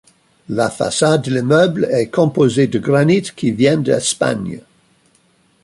La façade de l'immeuble est composée de granite qui vient d'Espagne.